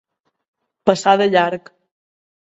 Passar de llarg.